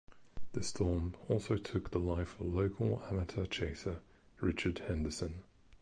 This storm also took the life of local amateur chaser, Richard Henderson.